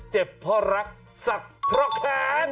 เจ็บเพราะรักสักเพราะแขน